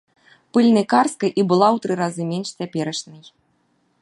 Пыльныкарскай і была ў тры разы менш цяперашняй.